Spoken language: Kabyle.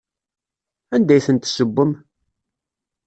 Anda ay tent-tessewwem?